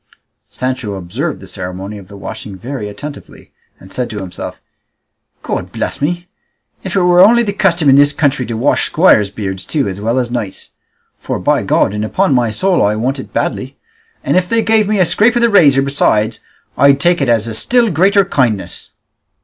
Sancho observed the ceremony of the washing very attentively, and said to himself, "God bless me, if it were only the custom in this country to wash squires' beards too as well as knights'. For by God and upon my soul I want it badly; and if they gave me a scrape of the razor besides I'd take it as a still greater kindness."